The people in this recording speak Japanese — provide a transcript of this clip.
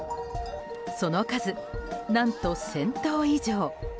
その数何と１０００頭以上。